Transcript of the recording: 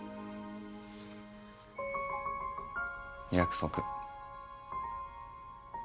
約束。